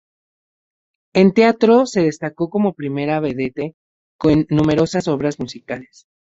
En teatro se destacó como primera vedette en numerosas obras musicales.